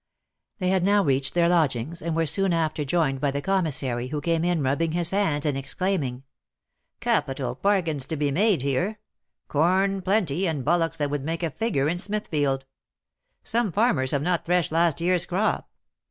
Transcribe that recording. They had now reached their lodgings, and were soon after joined by the commissary, who came in rubbing his hands, and exclaiming :" Capital bar gains to be made here ! Corn plenty, and bullocks that would make a figure in Smithfield. Some farm ers have not threshed last year s crop.